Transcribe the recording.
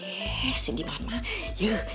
eh si diman mah